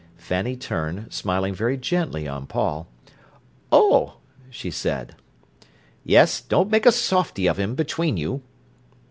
Fanny turned, smiling very gently on Paul. "Oh!" she said. "Yes; don't make a softy of him between you."